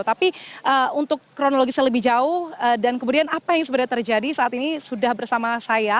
tapi untuk kronologisnya lebih jauh dan kemudian apa yang sebenarnya terjadi saat ini sudah bersama saya